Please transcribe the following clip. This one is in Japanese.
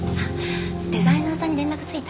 デザイナーさんに連絡ついた？